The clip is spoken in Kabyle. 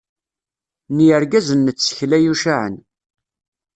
N yirgazen n tsekla yucaɛen.